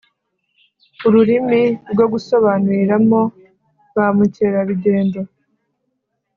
Ururimi rwo gusobanuriramo ba mukerarugendo.